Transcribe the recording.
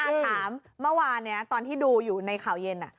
ถามเมื่อวานตอนที่ดูอยู่ในข่าวเย็น